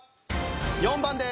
４番です。